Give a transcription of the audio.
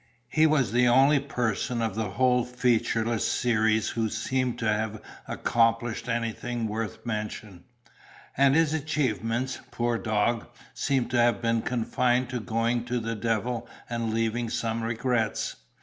He was the only person of the whole featureless series who seemed to have accomplished anything worth mention; and his achievements, poor dog, seemed to have been confined to going to the devil and leaving some regrets.